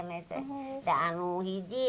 saya sudah belajar